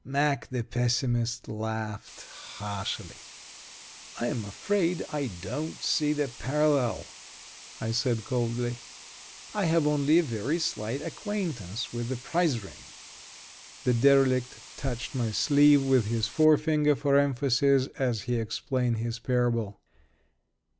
Mack, the pessimist, laughed harshly. "I'm afraid I don't see the parallel," I said, coldly. "I have only a very slight acquaintance with the prize ring." The derelict touched my sleeve with his forefinger, for emphasis, as he explained his parable.